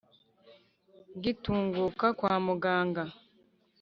ngitunguka kwa muganga